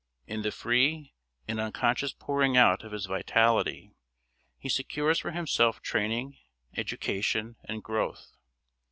In the free and unconscious pouring out of his vitality he secures for himself training, education, and growth.